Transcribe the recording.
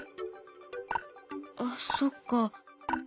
あっそっか。